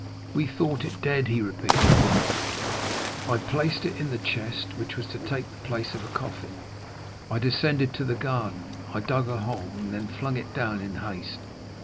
"We thought it dead," he repeated; "I placed it in the chest, which was to take the place of a coffin; I descended to the garden, I dug a hole, and then flung it down in haste.